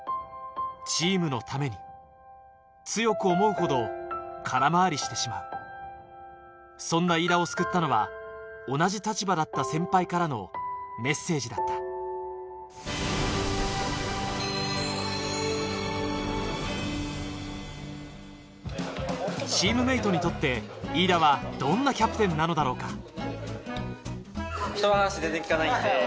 チームのために強く思うほど空回りしてしまうそんな飯田を救ったのは同じ立場だった先輩からのメッセージだったチームメートにとって飯田はどんなキャプテンなのだろうか？